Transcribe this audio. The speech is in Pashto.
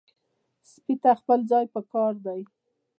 سپي ته خپل ځای پکار دی.